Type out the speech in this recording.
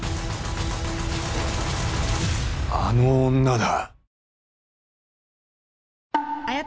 あの女だ！